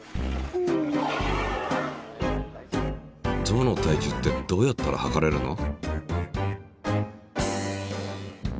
象の体重ってどうやったら量れるの？